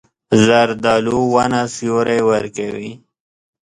زردالو ونه سیوری ورکوي.